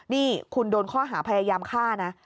นี่คุณโดนข้อหาพยายามฆ่านะ